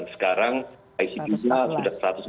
sekarang icp nya